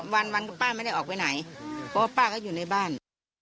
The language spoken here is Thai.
วันก็ป้าไม่ได้ออกไปไหนเพราะว่าป้าก็อยู่ในบ้าน